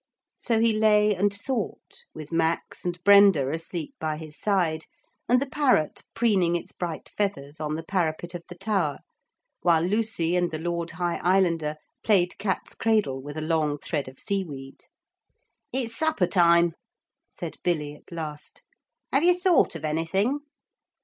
So he lay and thought with Max and Brenda asleep by his side and the parrot preening its bright feathers on the parapet of the tower, while Lucy and the Lord High Islander played cat's cradle with a long thread of seaweed. 'It's supper time,' said Billy at last. 'Have you thought of anything?'